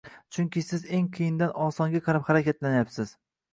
Chunki siz eng qiyindan osonga qarab harakatlanayapsiz.